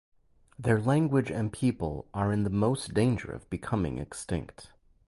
Their language and people are in the most danger of becoming extinct.